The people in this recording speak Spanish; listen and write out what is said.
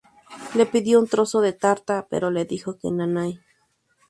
Le pidió un trozo de tarta pero le dijo que nanay